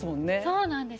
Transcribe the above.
そうなんです。